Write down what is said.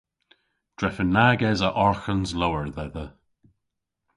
Drefen nag esa arghans lowr dhedha.